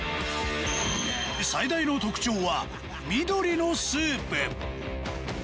最大の特徴は緑のスープ